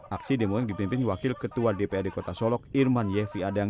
aksi demo yang dipimpin wakil ketua dprd kota solok irman yefi adang